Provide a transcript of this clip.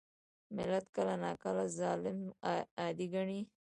ملت کله ناکله ظالم عادي ګڼي.